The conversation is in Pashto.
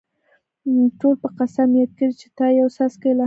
ټول به قسم یاد کړي چې تا یو څاڅکی لا هم نه دی څښلی.